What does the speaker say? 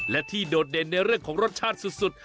และที่โดดเด่นในเรื่องของรสชาติสุด